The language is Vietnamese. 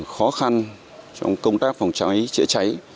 khó khăn trong công tác phòng cháy chữa cháy